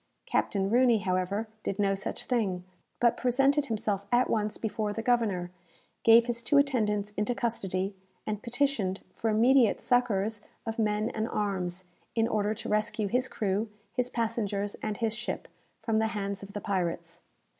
Captain Rooney, however, did no such thing, but presented himself at once before the governor, gave his two attendants into custody, and petitioned for immediate succours of men and arms, in order to rescue his crew, his passengers, and his ship, from the hands of the pirates.